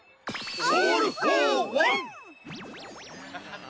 オールフォーワン！